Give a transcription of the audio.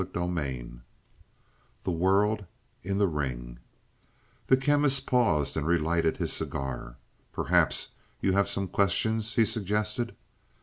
CHAPTER V THE WORLD IN THE RING The Chemist paused and relighted his cigar. "Perhaps you have some questions," he suggested.